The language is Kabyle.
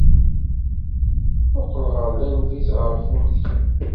Mmuqqel ɣer Langliz, ɣef umedya.